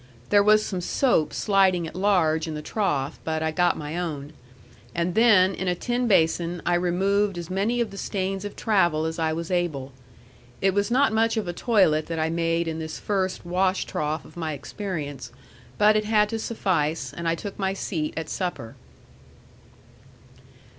There was some soap sliding at large in the trough, but I got my own. And then in a tin basin I removed as many of the stains of travel as I was able. It was not much of a toilet that I made in this first wash trough of my experience, but it had to suffice, and I took my seat at supper.